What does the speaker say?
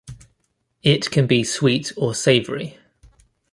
It can be sweet or savoury.